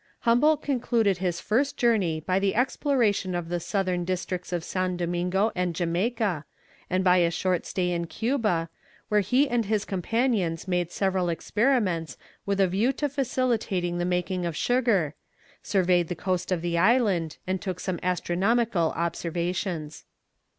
Humboldt concluded his first journey by the exploration of the southern districts of San Domingo and Jamaica, and by a short stay in Cuba, where he and his companions made several experiments with a view to facilitating the making of sugar, surveyed the coast of the island, and took some astronomical observations.